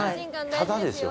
ただですよ